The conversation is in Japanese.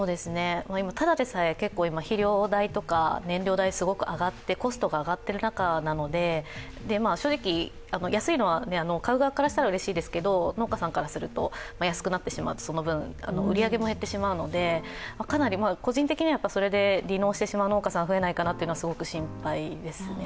ただでさえ、肥料代とか燃料代すごく上がってコストが上がっている中なので、正直、安いのは買う側からしたらうれしいですけれども、農家さんからすると安くなってしまうとその分売り上げも減ってしまうのでかなり個人的には、それで離農してしまう農家さんがいないかすごく心配ですね。